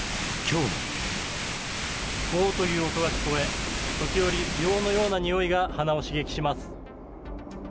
ゴーという音が聞こえ時折、硫黄のようなにおいが鼻を刺激します。